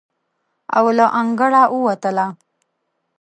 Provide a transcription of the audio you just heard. او له انګړه ووتله.